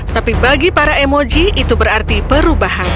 tapi bagi para emoji itu berarti perubahan